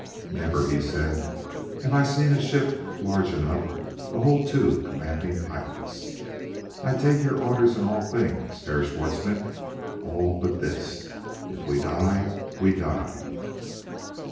"Never," he said, "have I seen a ship large enough to hold two commanding pilots. I take your orders in all things, Herr Schwartzmann all but this. If we die we die."